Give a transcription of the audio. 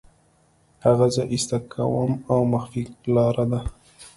هغه زه ایسته کوم او مخفي لاره ده